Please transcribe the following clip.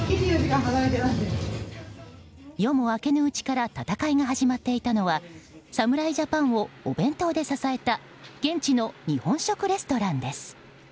夜も明けぬうちから戦いが始まっていたのは侍ジャパンをお弁当で支えた現地の日本食レストランです。